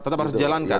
tetap harus dijalankan